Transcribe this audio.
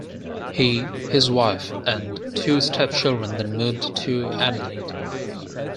He, his wife and two stepchildren then moved to Adelaide.